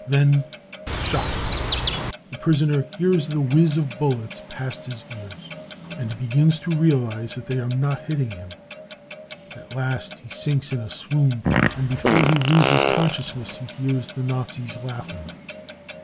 Then shots : the prisoner hears the whizz of bullets past his ears, and begins to realise that they are not hitting him. At last he sinks in a swoon, and before he loses consciousness he hears the Nazis laughing.